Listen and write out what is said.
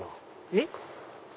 えっ？